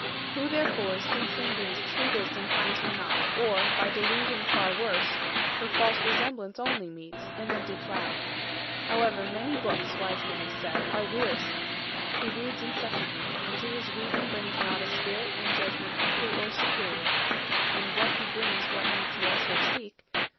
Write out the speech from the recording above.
Who, therefore, seeks in these True wisdom finds her not, or, by delusion Far worse, her false resemblance only meets, 320 An empty cloud. However, many books, Wise men have said, are wearisome; who reads Incessantly, and to his reading brings not A spirit and judgment equal or superior, (And what he brings what needs he elsewhere seek?)